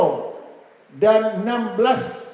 dan menteri esdm yang dikirimkan oleh menteri esdm